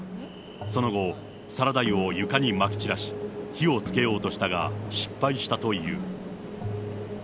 その後、サラダ油を床にまき散らし、火をつけようとしたが、失敗したという。